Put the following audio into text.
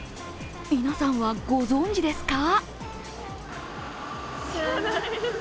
皆さんはご存じですか？